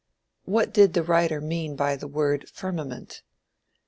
What did the writer mean by the word firmament?